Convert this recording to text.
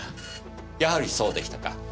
やはりそうでしたか。